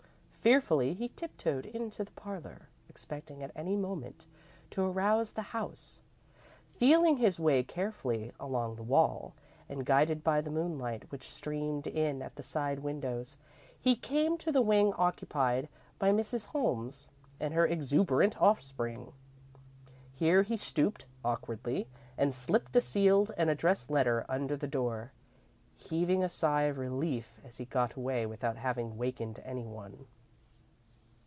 Fearfully, he tiptoed into the parlour, expecting at any moment to arouse the house. Feeling his way carefully along the wall, and guided by the moonlight which streamed in at the side windows, he came to the wing occupied by Mrs. Holmes and her exuberant offspring. Here he stooped, awkwardly, and slipped a sealed and addressed letter under the door, heaving a sigh of relief as he got away without having wakened any one.